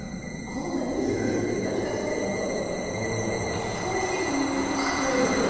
ほんと妊娠中って何か１つのものに狂気的にバッてなるんですよ